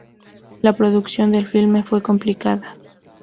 La producción del filme fue complicada.